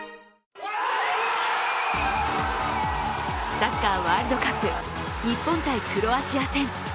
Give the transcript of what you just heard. サッカーワールドカップ日本×クロアチア戦。